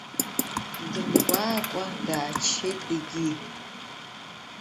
Дымгәаакәа дааччеит егьи.